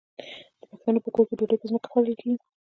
د پښتنو په کور کې ډوډۍ په ځمکه خوړل کیږي.